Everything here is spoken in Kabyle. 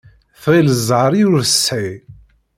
Tɣill d ẓẓher i ur tesεi.